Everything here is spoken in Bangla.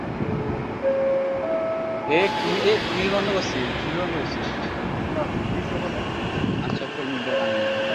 এরপর লেখালেখির দিকে ঝুঁকে পড়েন তিনি।